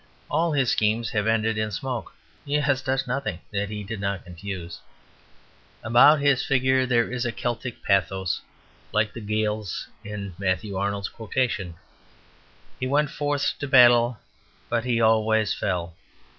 All his schemes have ended in smoke; he has touched nothing that he did not confuse. About his figure there is a Celtic pathos; like the Gaels in Matthew Arnold's quotation, "he went forth to battle, but he always fell."